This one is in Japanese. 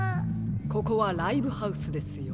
ここはライブハウスですよ。